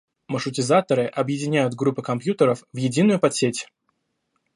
Маршрутизаторы объединяют группы компьютеров в единую подсеть